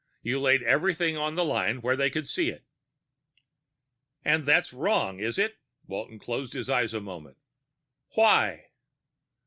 You laid everything on the line where they could see it." "And that's wrong, is it?" Walton closed his eyes for a moment. "_Why?